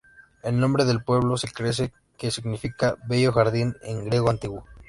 El nombre del pueblo se cree que significa "Bello jardín" en griego antiguo.